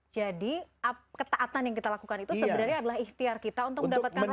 jadi ketaatan yang kita lakukan itu sebenarnya adalah ikhtiar kita untuk mendapatkan rahmat allah